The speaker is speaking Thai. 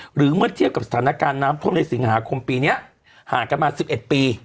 หรือเมื่อเทียบกับสถานการณ์น้ำท่วมในสิงหาคมปีนี้ห่างกันมา๑๑ปี